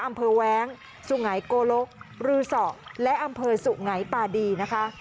อำเภอแว้งสุหงัยโกลกรือศอกและอำเภอสุหงัยปาดีนะคะ